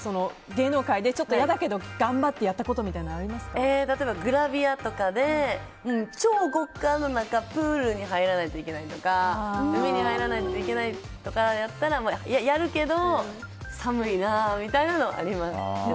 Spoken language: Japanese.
芸能界で嫌だけど、頑張って例えばグラビアとかで超極寒の中プールに入らないといけないとか海に入らないといけないとかだとやるけど、寒いなみたいなのはありましたね。